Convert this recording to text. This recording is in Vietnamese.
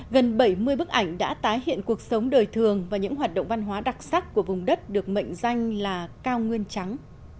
gần bảy mươi bức ảnh đã tái hiện cuộc sống đời thường và những hoạt động văn hóa đặc sắc của vùng đất được mệnh danh là cao nguyên trắng